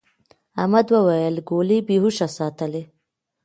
احمد وويل: گولۍ بې هوښه ساتلې.